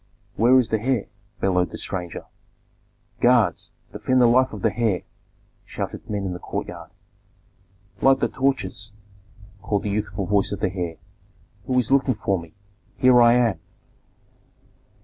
"Where is the heir?" bellowed the stranger. "Guards! Defend the life of the heir!" shouted men in the courtyard. "Light the torches!" called the youthful voice of the heir. "Who is looking for me? Here I am!"